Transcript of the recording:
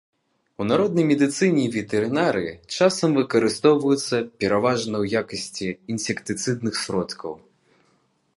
У народнай медыцыне і ветэрынарыі часам выкарыстоўваюцца пераважна ў якасці інсектыцыдных сродкаў.